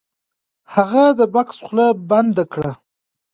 هغه د بکس خوله بنده کړه. .